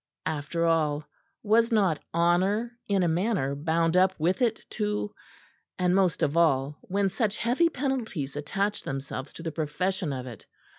After all, was not honour in a manner bound up with it too; and most of all when such heavy penalties attached themselves to the profession of it?